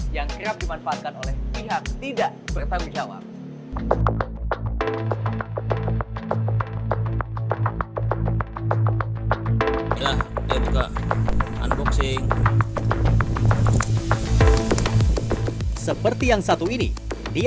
yang kerap dimanfaatkan oleh pihak tidak bertanggung jawab seperti yang satu ini dia